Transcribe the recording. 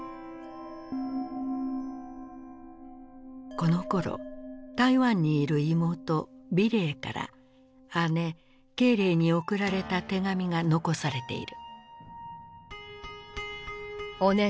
このころ台湾にいる妹美齢から姉慶齢に送られた手紙が残されている。